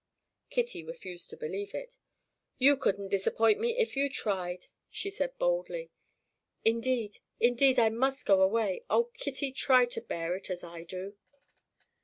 Kitty refused to believe it. "You couldn't disappoint me if you tried," she said boldly. "Indeed, indeed, I must go away. Oh, Kitty, try to bear it as I do!"